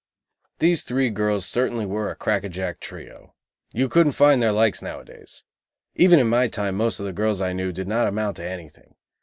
These three girls certainly were a crack a jack trio. You can't find their likes nowadays. Even in my time most of the girls I knew did not amount to anything.